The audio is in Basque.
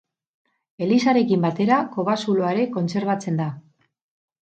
Elizarekin batera kobazuloa ere kontserbatzen da.